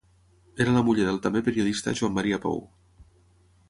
Era la muller del també periodista Joan Maria Pou.